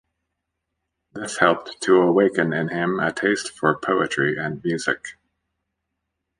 This helped to awaken in him a taste for poetry and music.